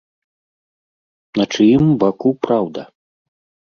На чыім баку праўда?